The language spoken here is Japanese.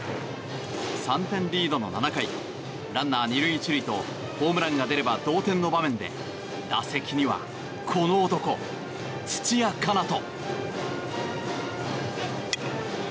３点リードの７回ランナー２塁１塁とホームランが出れば同点の場面で打席にはこの男、土屋奏人。